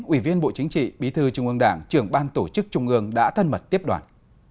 ủy viên bộ chính trị bí thư trung ương đảng trưởng ban tổ chức trung ương đã thân mật tiếp đoàn